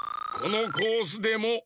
このコースでも。